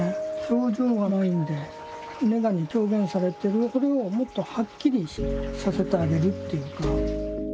表情がないんでネガに表現されてるこれをもっとはっきりさせてあげるっていうか。